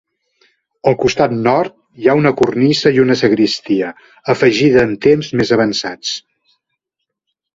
Al costat nord hi ha una cornisa i una sagristia, afegida en temps més avançats.